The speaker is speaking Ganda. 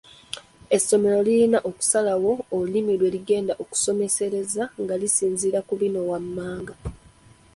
Essomero lirina okusalawo olulimi mwe ligenda okusomesereza nga lisinziira ku bino wammanga